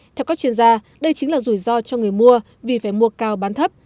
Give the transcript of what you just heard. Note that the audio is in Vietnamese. theo các chuyên gia đây chính là rủi ro cho người mua vì phải mua cao bán thấp